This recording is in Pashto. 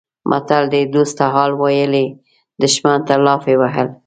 متل دی: دوست ته حال ویلی دښمن ته لافې وهل.